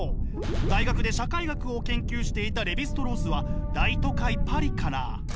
大学で社会学を研究していたレヴィ＝ストロースは大都会パリから。